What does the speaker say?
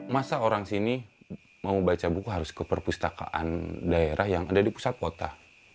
masa orang sini mau baca buku harus ke perpustakaan daerah yang ada di pusat kota